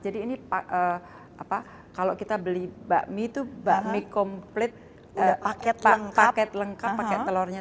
jadi ini kalau kita beli bakmi itu bakmi komplit paket lengkap paket telurnya tiga